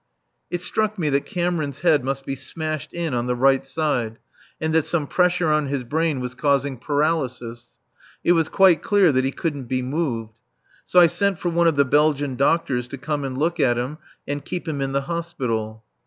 It struck me that Cameron's head must be smashed in on the right side and that some pressure on his brain was causing paralysis. It was quite clear that he couldn't be moved. So I sent for one of the Belgian doctors to come and look at him, and keep him in the Hospital.